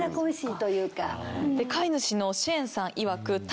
飼い主のシェーンさんいわく。